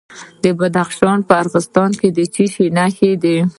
د بدخشان په راغستان کې د څه شي نښې دي؟